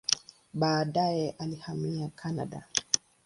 Baadaye alihamia Kanada.